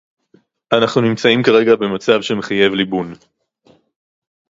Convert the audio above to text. אנחנו נמצאים כרגע במצב שמחייב ליבון